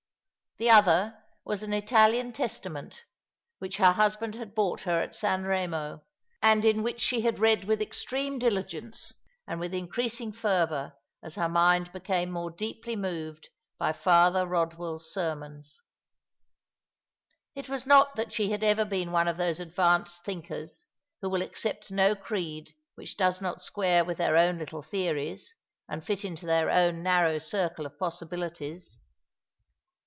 The other was an Italian Testament, which her husband had bought her at San Eemo, and in which she had read with extreme diligence and with increasing fervour as her mind became more deeply moved by Father Kodwell's sermons. It was not that she had ever been one of those advanced thinkers who will accept no creed which does not square with their own little theories and fit in to their own narrow circle of possibilities.